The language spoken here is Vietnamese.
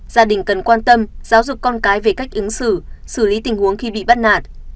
gia đình cần quan tâm giáo dục con cái về cách ứng xử xử lý tình huống khi bị bắt nạt